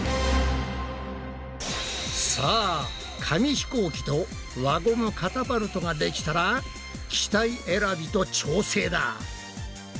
さあ紙ひこうきと輪ゴムカタパルトができたら機体選びと調整だ！